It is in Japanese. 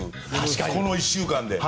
この１週間で。